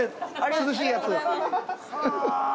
涼しいやつ。